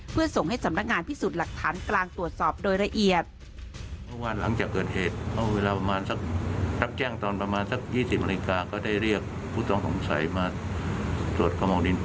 เพื่อส่งให้สำนักงานพิสูจน์หลักฐานกลางตรวจสอบโดยละเอียด